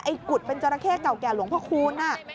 กุฎเป็นจราเข้เก่าแก่หลวงพระคูณ